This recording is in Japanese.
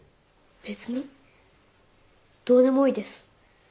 別にどうでもいいです。